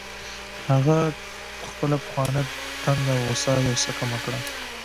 هغه خپله پخوانۍ تنده او غوسه یو څه کمه کړه